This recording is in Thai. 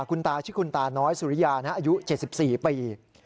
คุณตาชื่อคุณตาน้อยสุริยาอายุ๗๔ปี